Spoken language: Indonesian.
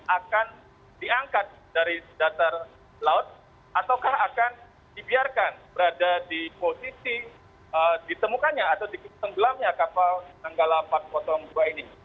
akan diangkat dari datar laut ataukah akan dibiarkan berada di posisi ditemukannya atau ditenggelamnya kapal nanggala empat ratus dua ini